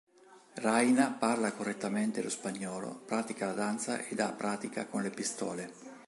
Raina parla correttamente lo spagnolo, pratica la danza ed ha pratica con le pistole.